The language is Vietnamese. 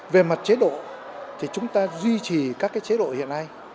về mặt chế độ thì chúng ta duy trì các chế độ hiện nay